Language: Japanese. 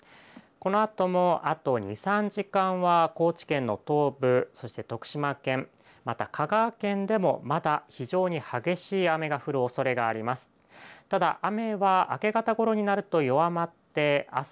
このあとも、あと２、３時間は高知県の東部、そして徳島県また、香川県でもまだ非常に激しい雨が降るおそれがあります。